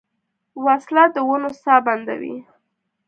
وسله د ونو ساه بندوي